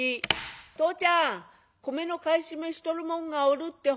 「父ちゃん米の買い占めしとる者がおるって本当かいや？」。